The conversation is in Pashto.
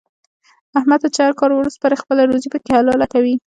احمد ته چې هر کار ور وسپارې خپله روزي پکې حلاله کوي.